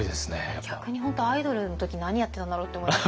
逆に本当アイドルの時何やってたんだろう？って思います。